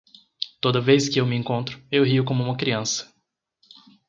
Toda vez que eu me encontro, eu rio como uma criança.